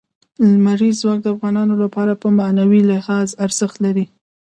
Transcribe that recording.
لمریز ځواک د افغانانو لپاره په معنوي لحاظ ارزښت لري.